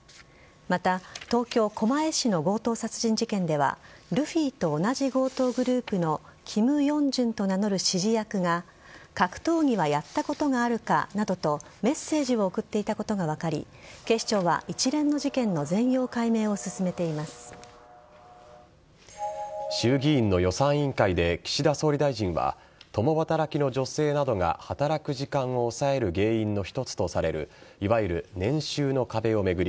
また、東京・狛江市の強盗殺人事件ではルフィと同じ強盗グループのキム・ヨンジュンと名乗る指示役が格闘技をやったことがあるかなどとメッセージを送っていたことが分かり警視庁は一連の事件の衆議院の予算委員会で岸田総理大臣は共働きの女性などが働く時間を抑える原因の一つとされるいわゆる年収の壁を巡り